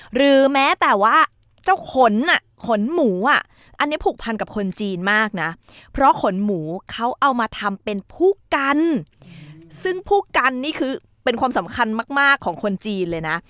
หรือแม้แต่ว่าเจ้าขนอ่ะขนหมูอ่ะอันนี้ผูกพันกับคนจีนมากนะเพราะขนหมูเขาเอามาทำเป็นผู้กันซึ่งผู้กันนี่คือเป็นความสำคัญมากของคนจีนเลยนะ